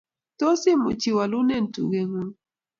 tos imuch iwolunen tuge ng'ung'?